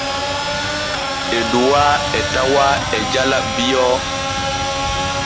Eduwaa e tawaa e jala Bio.